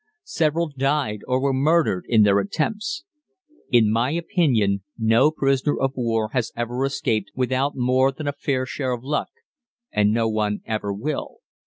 Several died or were murdered in their attempts. In my opinion no prisoner of war has ever escaped without more than a fair share of luck, and no one ever will.